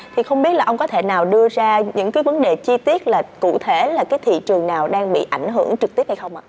thì không biết là ông có thể nào đưa ra những cái vấn đề chi tiết là cụ thể là cái thị trường nào đang bị ảnh hưởng trực tiếp hay không ạ